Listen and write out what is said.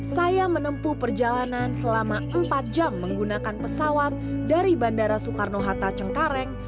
saya menempuh perjalanan selama empat jam menggunakan pesawat dari bandara soekarno hatta cengkareng